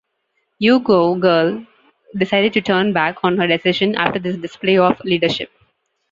U-Go Girl decided to turn back on her decision after this display of leadership.